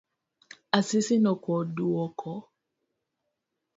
Asisi nokoduoke.